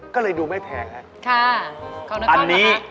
ก็เลยดูไม่แทงครับจริงค่ะโอเคขอบคุณค่ะอันนี้